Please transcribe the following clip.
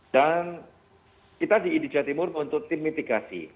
dan kita di indijatimur untuk tim mitigasi